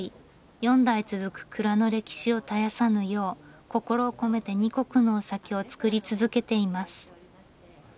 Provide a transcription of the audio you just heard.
４代続く蔵の歴史を絶やさぬよう心を込めて２石のお酒を造り続けています。